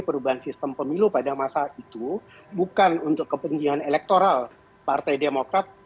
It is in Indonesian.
perubahan sistem pemilu pada masa itu bukan untuk kepentingan elektoral partai demokrat